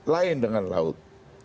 lain dengan laut